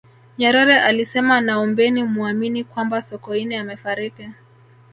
nyerere alisema naombeni muamini kwamba sokoine amefariki